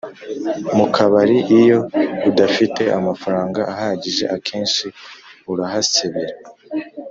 Mukabari iyo udafite amafaranga ahagije akenshi urahasebera